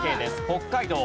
北海道。